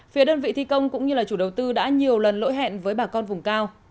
phía đơn vị thi công cũng như là chủ đầu tư đã nhiều lần lỗi hẹn với bà con vùng cao